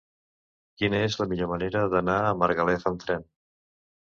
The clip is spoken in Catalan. Quina és la millor manera d'anar a Margalef amb tren?